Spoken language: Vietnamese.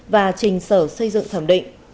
và trình sở xây dựng thẩm định